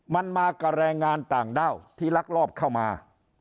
มันมากับแรงงานต่างด้าวที่ลักลอบเข้ามา